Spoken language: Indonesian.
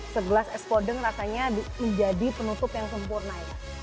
segelas es podeng rasanya menjadi penutup yang sempurna ya